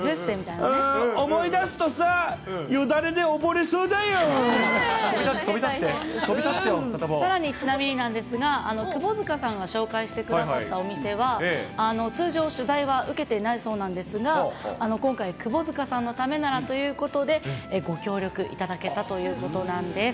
思い出すとさあ、よだれで溺飛び立って、飛び立ってよ、さらにちなみになんですが、窪塚さんが紹介してくださったお店は、通常、取材は受けてないそうなんですが、今回、窪塚さんのためならということで、ご協力いただけたということなんです。